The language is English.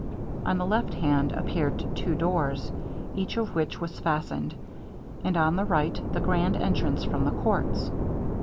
On the left hand appeared two doors, each of which was fastened, and on the right the grand entrance from the courts.